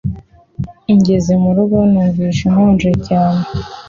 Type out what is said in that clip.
Ngeze mu rugo numvise nshonje cyane